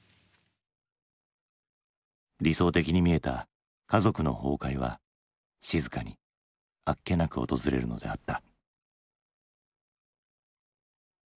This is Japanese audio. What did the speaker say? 理想的に見えた家族の崩壊は静かにあっけなく訪れるのであった。